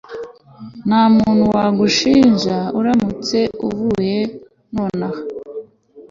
Ntamuntu wagushinja uramutse uvuye nonaha